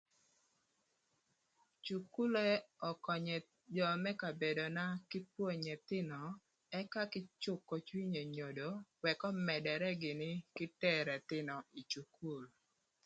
Cukule ökönyö jö më kabedona kï pwonyo ëthïnö ëka kï cükö cwiny enyodo wëk ömëdërë kï tero ëthïnö ï cukul.